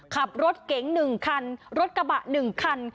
ขับรถเก๋ง๑คันรถกระบะ๑คัน